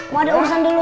mau ada urusan dulu sama